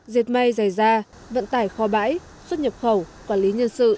diệt may dày da vận tải kho bãi